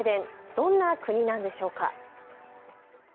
どんな国なんでしょうか。